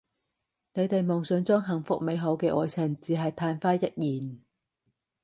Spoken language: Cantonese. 你哋夢想中幸福美好嘅愛情只係曇花一現